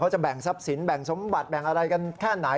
จะแบ่งทรัพย์สินแบ่งสมบัติแบ่งอะไรกันแค่ไหน